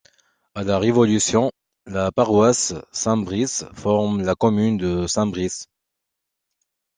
À la Révolution, la paroisse Saint-Brice forme la commune de Saint-Brice.